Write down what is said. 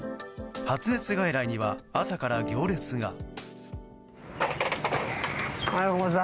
発熱外来には、朝から行列が。